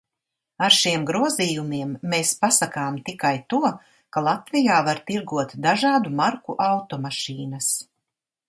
Ar šiem grozījumiem mēs pasakām tikai to, ka Latvijā var tirgot dažādu marku automašīnas.